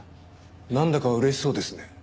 なんだか嬉しそうですね。